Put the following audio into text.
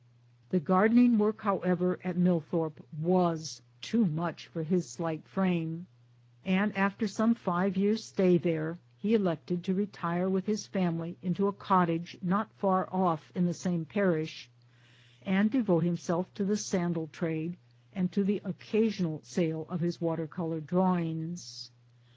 The gardening work however at Millthorpe was too much for his slight frame ; and after some five years' stay there he elected to retire with his family into a cottage not far off in the same parish and devote himself to the sandal trade and to the occa sional sale of his water colour drawings.